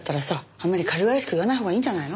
あんまり軽々しく言わないほうがいいんじゃないの？